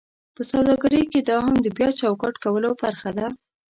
په سوداګرۍ کې دا هم د بیا چوکاټ کولو برخه ده: